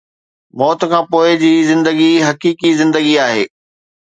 موت کان پوءِ جي زندگي حقيقي زندگي آهي